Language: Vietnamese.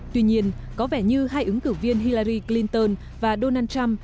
tuy nhiên có vẻ như hai ứng cử viên hillary clinton và donald trump